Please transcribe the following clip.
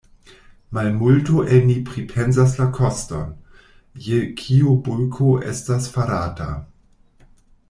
Malmulto el ni pripensas la koston je kiu bulko estas farata.